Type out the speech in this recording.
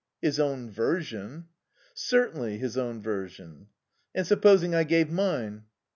"His own version." "Certainly, his own version." "And supposing I gave mine?"